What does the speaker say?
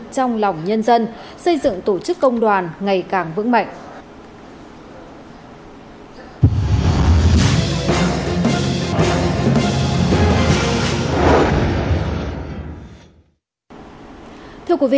trong lòng nhân dân xây dựng tổ chức công đoàn ngày càng vững mạnh